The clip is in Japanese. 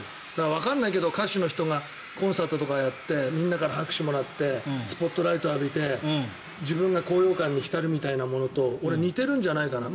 わからないけど歌手の人とかがコンサートやってみんなから拍手浴びてスポットライトを浴びて高揚感に浸るみたいなのと俺、似てるんじゃないかな。